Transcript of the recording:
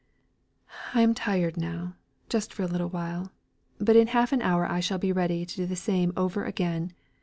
I am tired now, just for a little while; but in half an hour I shall be ready to do the same over again.